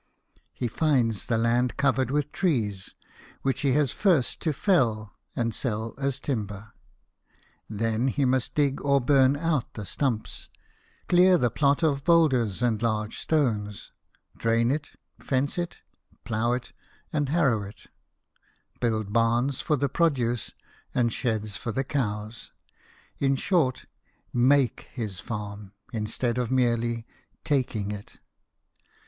He finds the land covered with trees, which he has first to fell and sell as timber; then he must dig or burn out the stumps ; clear the plot of boulders and large stones ; drain it, fence it, plough it, and harrow it ; build barns for the produce and sheds for the cows ; in short, make his farm, instead of merely taking it.